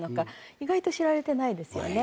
意外と知られてないですよね。